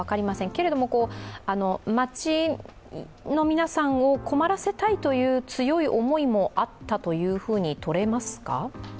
けれども、町の皆さんを困らせたいという強い思いもあったととれますか？